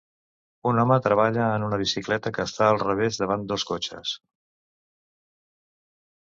Un home treballa en una bicicleta que està al revés davant dos cotxes.